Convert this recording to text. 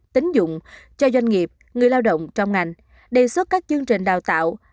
tính dụng cho doanh nghiệp người lao động trong ngành đề xuất các chương trình đào tạo